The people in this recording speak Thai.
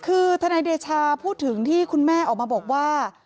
คือทนายเดชาพูดถึงที่คุณแม่ออกมาบอกว่า